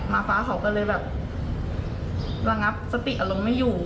ฟ้าเขาก็เลยแบบระงับสติอารมณ์ไม่อยู่